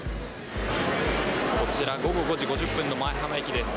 こちら、午後５時５０分の舞浜駅です。